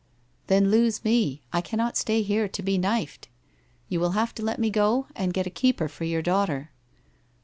1 1 Then lose me. I cannot stay here to be knifed. You will have to let me go, and get a keeper for your daughter.'